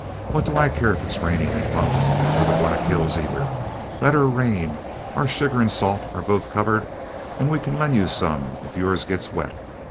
What do I care if it is raining in London or the Black Hills either? Let her rain; our sugar and salt are both covered, and we can lend you some if yours gets wet.